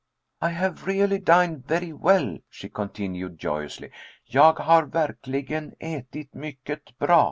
"'I have really dined very well,'" she continued joyously. "_Jag har verkligen atit mycket bra.